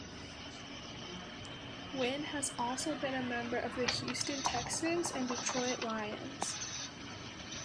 Wynn has also been a member of the Houston Texans and Detroit Lions.